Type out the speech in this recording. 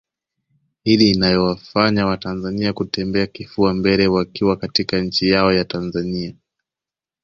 Hli inayowafanya watanzania kutembea kifua mbele wakiwa katika nchi yao ya Tanzania